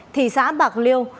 thị xã bạc liêu